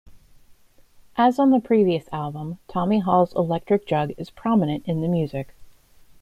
As on the previous album, Tommy Hall's electric jug is prominent in the music.